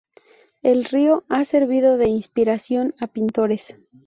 El río ha servido de inspiración a pintores.